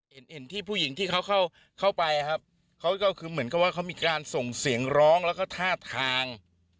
เห็นเห็นที่ผู้หญิงที่เขาเข้าไปครับเขาก็คือเหมือนกับว่าเขามีการส่งเสียงร้องแล้วก็ท่าทาง